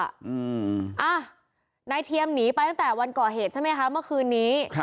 อ่ะนายเทียมหนีไปตั้งแต่วันก่อเหตุใช่ไหมคะเมื่อคืนนี้